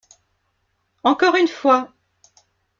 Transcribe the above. Encore une fois!